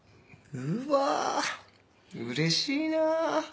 うわうれしいなぁ！